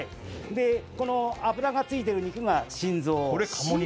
脂がついている肉が心臓。